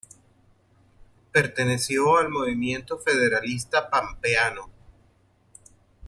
Perteneció al Movimiento Federalista Pampeano.